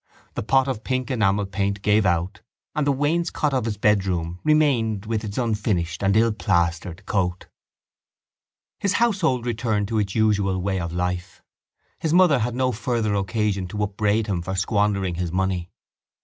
The pot of pink enamel paint gave out and the wainscot of his bedroom remained with its unfinished and illplastered coat. His household returned to its usual way of life. His mother had no further occasion to upbraid him for squandering his money.